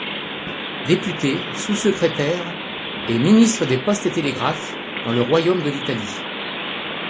Député, sous-secrétaire et Ministre des Postes et Télégraphes dans le Royaume de l'Italie.